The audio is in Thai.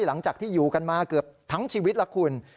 หลังจากที่อยู่กันมาเกือบทั้งชีวิตแล้วคุณ